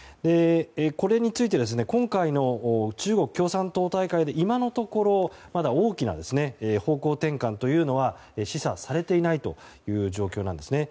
これについて今回の中国共産党大会で今のところ、まだ大きな方向転換というのは示唆されていないという状況なんですね。